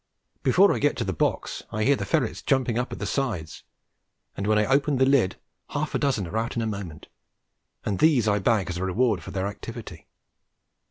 Before I get to the box I hear the ferrets jumping up at the sides, and when I open the lid half a dozen are out in a moment, and these I bag as a reward for their activity.